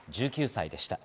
１９歳でした。